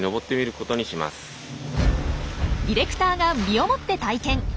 ディレクターが身をもって体験！